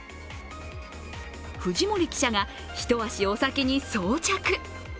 藤森記者がひと足お先に装着。